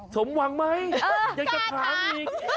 สมหวังไหมยังจะถามอีก